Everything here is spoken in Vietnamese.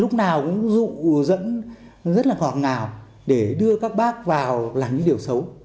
lúc nào cũng dụ dẫn rất là ngọt ngào để đưa các bác vào làm những điều xấu